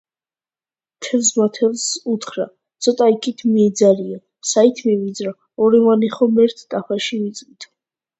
თევზმა თევზს უთხრა: - ცოტა იქით მიიძარიო, - საით მივიძრა, ორივენი ერთ ტაფაში ვიწვითო